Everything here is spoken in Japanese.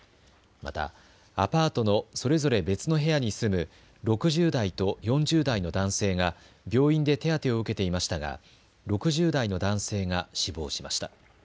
またアパートのそれぞれ別の部屋に住む６０代と４０代の男性が病院で手当てを受けていましたが６０代の男性が死亡しました。